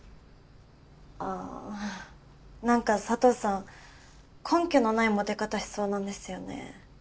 ああなんか佐藤さん根拠のないモテ方しそうなんですよね。